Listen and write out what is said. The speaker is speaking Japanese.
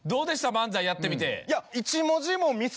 漫才やってみて。